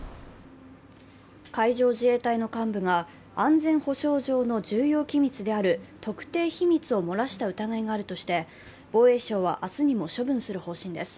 海上自衛隊の幹部が安全保障上の重要機密である特定秘密を漏らした疑いがあるとして、防衛省は明日にも処分する方針です。